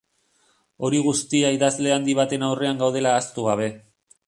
Hori guztia idazle handi baten aurrean gaudela ahaztu gabe.